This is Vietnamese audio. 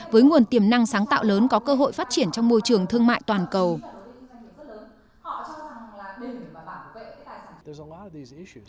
với nguồn tiềm năng sáng tạo lớn có cơ hội phát triển trong môi trường thương mại toàn cầu